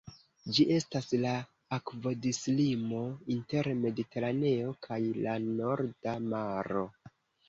Ĝi estas la akvodislimo inter Mediteraneo kaj la Norda Maro.